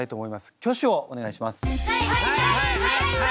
挙手をお願いします。